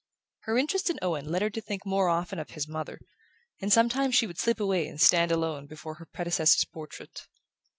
Her interest in Owen led her to think more often of his mother, and sometimes she would slip away and stand alone before her predecessor's portrait.